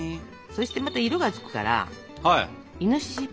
そしてまた色がつくからイノシシっぽい色。